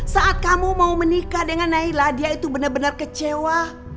saat kamu mau menikah dengan naila dia itu benar benar kecewa